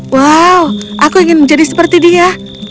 wow aku ingin menjadi seperti dia